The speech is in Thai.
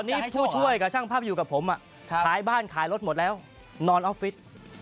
อันนี้ผู้ช่วยกับช่างภาพอยู่กับผมขายบ้านขายรถหมดแล้วนอนออฟฟิศ